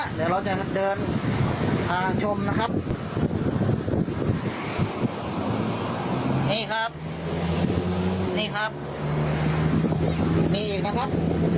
เดี๋ยวเราจะเดินทางชมนะครับนี่ครับนี่ครับมีอีกนะครับ